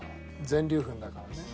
全粒粉だからね。